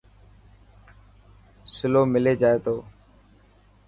سولو ملي جائي تو.